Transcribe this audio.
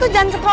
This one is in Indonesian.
tidak tau aku